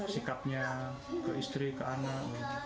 sikapnya ke istri ke anak